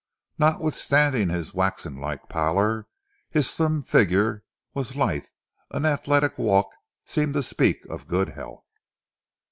Notwithstanding his waxenlike pallor, his slim figure and lithe, athletic walk seemed to speak of good health.